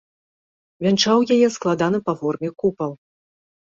Вянчаў яе складаны па форме купал.